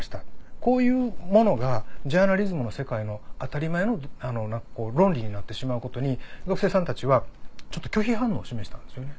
こういうものがジャーナリズムの世界の当たり前の論理になってしまうことに学生さんたちはちょっと拒否反応を示したんですよね。